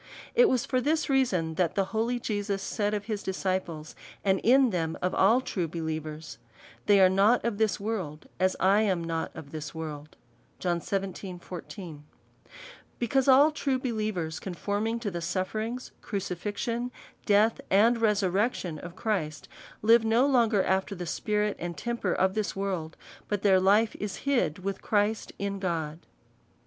It was for this reason, that the holy Jesus said of his disciples, and in them of all true believers, " They are not of this world, as I am not of this world." Be cause all true believers conforming to the sufterings, crucifixion, death, and resurrection of Christ, live no longer after the spirit and temper of this world, but their life is hid with Christ in God.